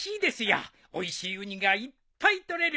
おいしいウニがいっぱい採れる